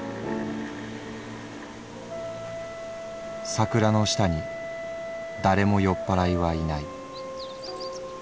「桜の下に誰も酔っぱらいはいない」。